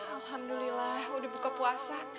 alhamdulillah udah buka puasa